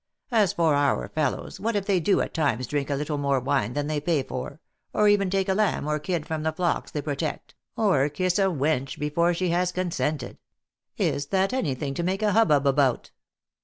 As for our fellows, what if they do at times drink a little more wine than U* 330 THE ACTRESS IN HIGH LIFE. they pay for, or even take a lamb or kid from the flocks they protect, or kiss a wench before she has consented ; is that any thing to make a hubbub about?